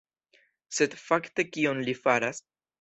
Sed fakte kion li faras?